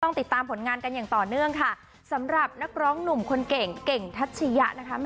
ติดตามผลงานกันอย่างต่อเนื่องค่ะสำหรับนักร้องหนุ่มคนเก่งเก่งทัชยะนะคะ